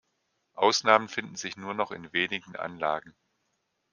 Ausnahmen finden sich nur noch in wenigen Anlagen.